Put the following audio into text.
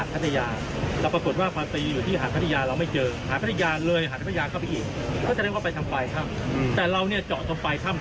พระยาเข้าไปอีกก็จะเรียกว่าไปทำปลายทำอืมแต่เราเนี้ยเจาะทำปลายทำ